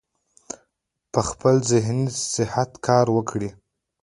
پۀ خپل ذهني صحت کار وکړي -